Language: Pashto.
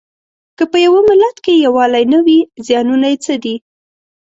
که په یوه ملت کې یووالی نه وي زیانونه یې څه دي؟